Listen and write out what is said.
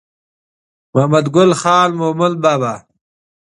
محمد ګل خان مومند بابا